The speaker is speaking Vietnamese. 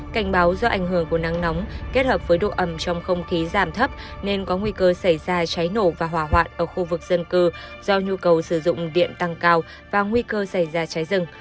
cảnh báo do ảnh hưởng của nắng nóng kết hợp với độ ẩm trong không khí giảm thấp nên có nguy cơ xảy ra cháy nổ và hỏa hoạn ở khu vực dân cư do nhu cầu sử dụng điện tăng cao và nguy cơ xảy ra cháy rừng